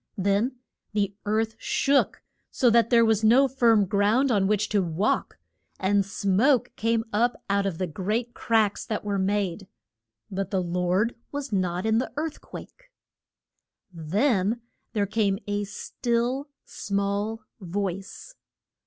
Then the earth shook, so that there was no firm ground on which to walk; and smoke came up out of the great cracks that were made. But the Lord was not in the earth quake. Then there came a still, small voice.